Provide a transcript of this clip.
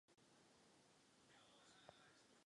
Poloviny jsou vždy stejné.